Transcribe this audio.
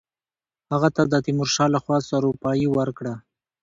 هغه ته د تیمورشاه له خوا سروپايي ورکړه.